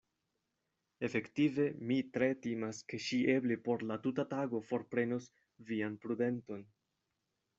Efektive mi tre timas, ke ŝi eble por la tuta tago forprenos vian prudenton.